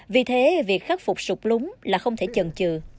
vì thế việc khắc phục sụp lúng là không thể chần chừ